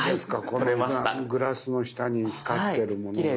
このグラスの下に光ってるものが。